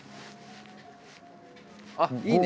あっいいね。